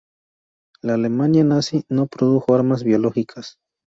La Alemania Nazi no produjo armas biológicas.